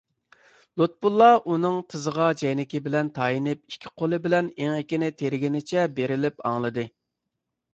لۇتپۇللا ئۇنىڭ تىزىغا جەينىكى بىلەن تايىنىپ، ئىككى قولى بىلەن ئېڭىكىنى تىرىگىنىچە بېرىلىپ ئاڭلىدى.